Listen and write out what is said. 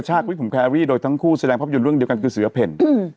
ให้ผมโดยทั้งคู่แสดงพรรพยนตร์เรื่องเดียวกันคือเสื้อเพ่น